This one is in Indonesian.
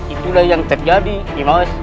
itulah yang terjadi imos